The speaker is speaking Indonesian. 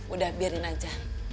udah biarin aja